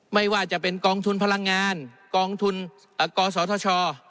ไม่ว่าจะเป็นกองทุนพลังงานกองทุนกศธช